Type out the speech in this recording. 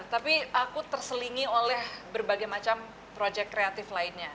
tapi aku terselingi oleh berbagai macam proyek kreatif lainnya